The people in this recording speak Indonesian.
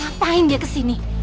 butuh jadi markus